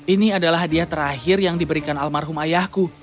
ini adalah hadiah terakhir yang diberikan almarhum ayahku